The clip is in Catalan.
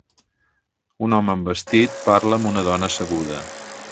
Un home amb vestit parla amb una dona asseguda.